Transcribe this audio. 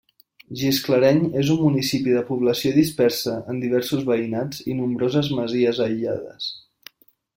Gisclareny és un municipi de població dispersa en diversos veïnats i nombroses masies aïllades.